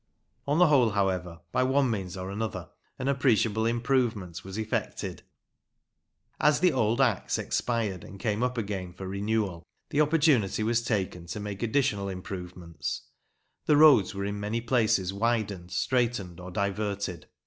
On the whole, however, by one means or another, an appreciable improvement was effected. As the old Acts expired and came up again for renewal, the opportunity was taken to make additional improvements. The roads were in many places widened, straightened, or diverted.